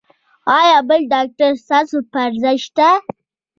ایا بل ډاکټر ستاسو پر ځای شته؟